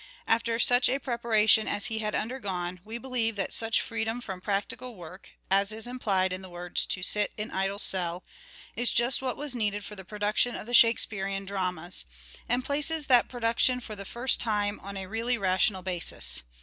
After such a prepara tion as he had undergone, we believe that such freedom from practical work, as is implied in the words " to sit in idle cell," is just what was needed for the production of the Shakespearean dramas ; and places that production for the first time on a really rational basis.